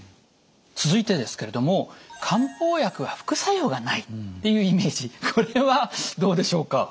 続いてですけれども漢方薬は副作用がないっていうイメージこれはどうでしょうか。